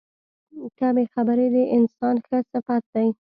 کمې خبرې، د انسان ښه صفت دی.